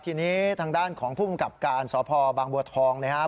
ทีนี้ทางด้านของภูมิกับการสพบางบัวทองนะครับ